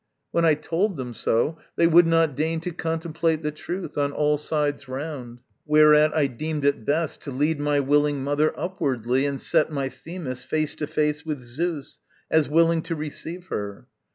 When I told them so, They would not deign to contemplate the truth On all sides round; whereat I deemed it best To lead my willing mother upwardly And set my Themis face to face with Zeus As willing to receive her.